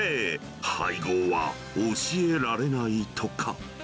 配合は教えられないとか。